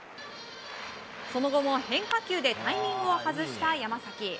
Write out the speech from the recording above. その後も変化球でタイミングを外した山崎。